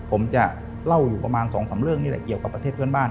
ผมจะเล่าอยู่ประมาณ๒๓เรื่องนี่แหละเกี่ยวกับประเทศเพื่อนบ้าน